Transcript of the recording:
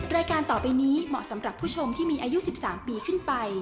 รายการต่อไปนี้เหมาะสำหรับผู้ชมที่มีอายุ๑๓ปีขึ้นไป